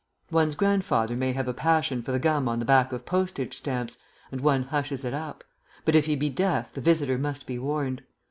One's grandfather may have a passion for the gum on the back of postage stamps, and one hushes it up; but if he be deaf the visitor must be warned.